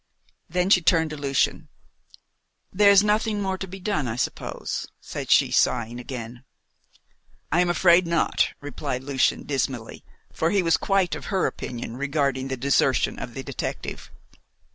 Then she turned to Lucian. "There is nothing more to be done, I suppose," said she, sighing again. "I am afraid not," replied Lucian dismally, for he was quite of her opinion regarding the desertion of the detective.